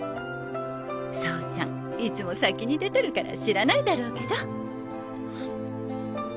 走ちゃんいつも先に出てるから知らないだろうけど。